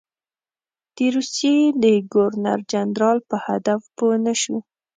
د روسیې د ګورنر جنرال په هدف پوه نه شو.